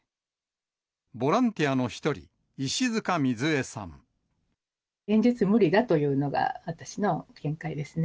ボランティアの１人、現実、無理だというのが、私の見解ですね。